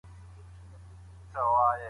په راتلونکي کي به افغانستان ډېر پرمختګ وکړي.